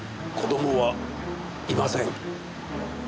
子供はいません。